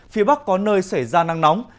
phía bắc có nơi xảy ra nắng nóng